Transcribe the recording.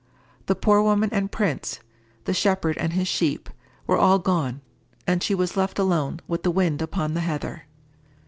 The poor woman and Prince, the shepherd and his sheep, were all gone, and she was left alone with the wind upon the heather.